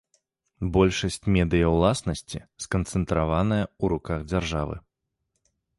Большасць медыяўласнасці сканцэнтраваная ў руках дзяржавы.